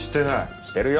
してるよ！